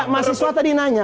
masih suara tadi nanya